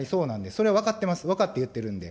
それは分かってます、分かって言ってるんで。